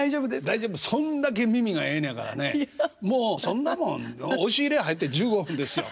そんだけ耳がええねやからねもうそんなもん押し入れ入って１５分ですよ。